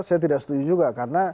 saya tidak setuju juga karena